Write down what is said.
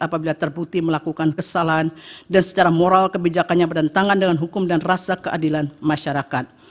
apabila terbukti melakukan kesalahan dan secara moral kebijakannya bertentangan dengan hukum dan rasa keadilan masyarakat